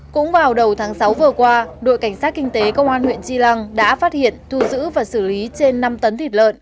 cũng vào đầu tháng sáu vừa qua đội cảnh sát kinh tế công an huyện tri lăng đã phát hiện thu giữ và xử lý trên năm tấn thịt lợn